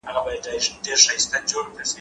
شيان د پلورونکي له خوا پلورل کيږي؟!